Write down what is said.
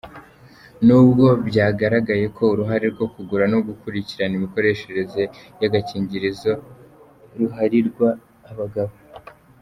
Nubwo byagaragaye ko uruhare rwo kugura no gukurikirana imikoreshereze y’agakingirizo ruharirwa abagabo.